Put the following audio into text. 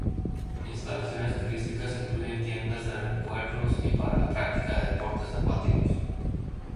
Instalaciones turísticas incluyen tiendas de recuerdos y para la práctica de deportes acuáticos.